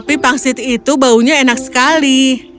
ini lucu sekali